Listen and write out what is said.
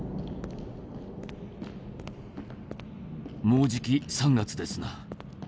もうじき３月ですな。